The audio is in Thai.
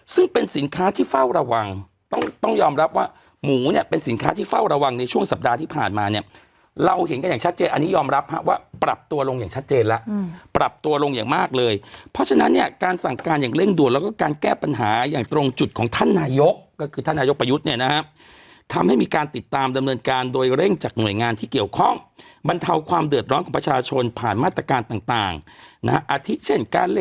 ซึ่งเป็นสินค้าที่เฝ้าระวังต้องต้องยอมรับว่าหมูเนี้ยเป็นสินค้าที่เฝ้าระวังในช่วงสัปดาห์ที่ผ่านมาเนี้ยเราเห็นกันอย่างชัดเจนอันนี้ยอมรับฮะว่าปรับตัวลงอย่างชัดเจนแล้วอืมปรับตัวลงอย่างมากเลยเพราะฉะนั้นเนี้ยการสั่งการอย่างเร่งด่วนแล้วก็การแก้ปัญหาอย่างตรงจุดของท่านนายกก็คือ